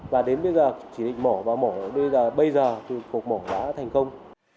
và đến bây giờ chỉ định mổ và mổ bây giờ cuộc mổ đã thành công